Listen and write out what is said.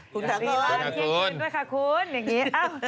คุณกับคุณด้วยค่ะคุณอย่างนี้